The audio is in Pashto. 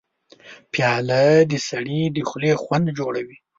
پیاله د سړي د خولې خوند جوړوي.